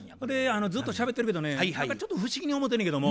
ずっとしゃべってるけどね何かちょっと不思議に思うてんのやけども。